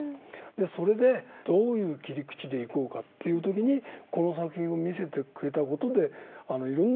それでどういう切り口でいこうかという時にこの作品を見せてくれた事でいろんな事が開けてきたんです。